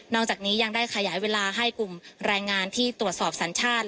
จากนี้ยังได้ขยายเวลาให้กลุ่มแรงงานที่ตรวจสอบสัญชาติ